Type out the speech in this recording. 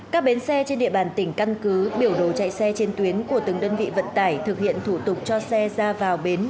các bến xe trên địa bàn tỉnh căn cứ biểu đồ chạy xe trên tuyến của từng đơn vị vận tải thực hiện thủ tục cho xe ra vào bến